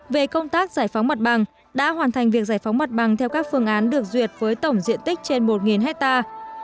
về công tác giải phóng mặt bằng đã hoàn thành việc giải phóng mặt bằng theo các phương án được duyệt với tổng diện tích trên một hectare